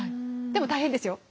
でも大変ですよ。